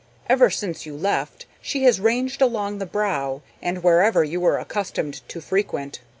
"Ever since you left, she has ranged along the Brow and wherever you were accustomed to frequent.